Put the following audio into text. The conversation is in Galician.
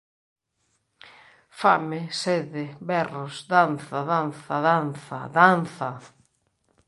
Fame, sede, berros, danza, danza, danza, danza!